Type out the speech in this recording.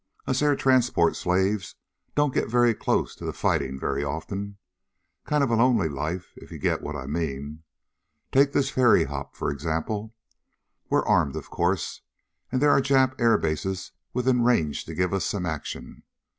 Us Air Transport slaves don't get very close to the fighting very often. Kind of a lonely life, if you get what I mean? Take this ferry hop, for example. We're armed, of course, and there are Jap air bases within range to give us some action.